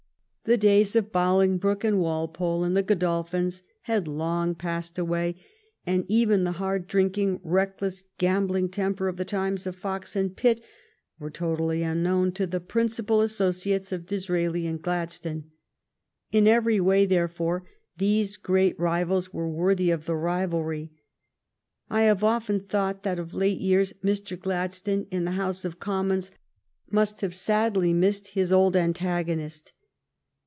The days of Bolingbroke and Walpole and the Godolphins had long passed away, and even the hard drinking, reckless, gambling temper of the times of Fox and Pitt was totally unknown to the principal associates of Disraeli and Glad stone. In every way, therefore, these two great GLADSTONE AND DISRAELI AS RIVALS 167 rivals were worthy of the rivalry. I have often thought that of late years Mr. Gladstone in the House of Commons must have sadly missed his old antagonist.